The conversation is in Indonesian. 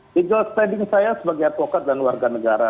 legal standing saya sebagai advokat dan warga negara